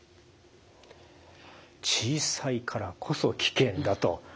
小さいからこそ危険だと。